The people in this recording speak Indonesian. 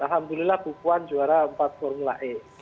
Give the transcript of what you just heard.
alhamdulillah bu puan juara empat formula e